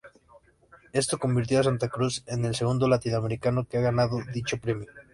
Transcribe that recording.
Esto convirtió a Santa Cruz en el segundo Latinoamericano que ha ganado dicho premio.